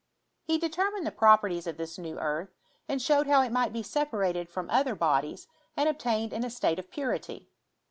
He determined the properties of this new earth, and showed how it might be sepa rated from other bodies and obtained in a state of purity.